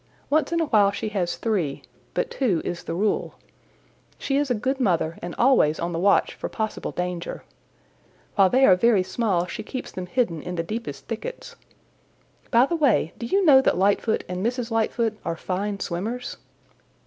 Once in a while she has three, but two is the rule. She is a good mother and always on the watch for possible danger. While they are very small she keeps them hidden in the deepest thickets. By the way, do you know that Lightfoot and Mrs. Lightfoot are fine swimmers?"